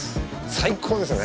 最高ですね。